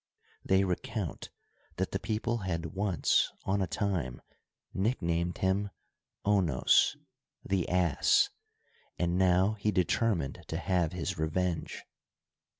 They recount that the people had once on a time nicknamed him " Onos'* the ass, and now he determined to have his revenge.